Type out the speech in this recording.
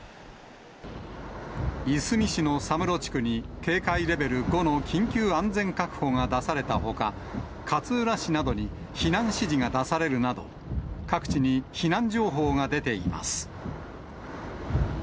いすみ市の佐室地区に警戒レベル５の緊急安全確保が出されたほか、勝浦市などに避難指示が出されるなど、各地に避難情報が出ています。